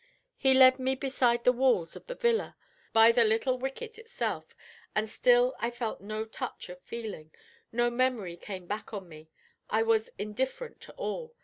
He led me beside the walls of the villa, by the little wicket itself, and still I felt no touch of feeling, no memory came back on me; I was indifferent to all!